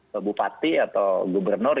ke bupati atau gubernur